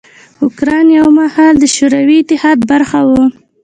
اوکراین یو مهال د شوروي اتحاد برخه وه.